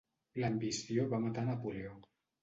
L'ambició va matar Napoleó.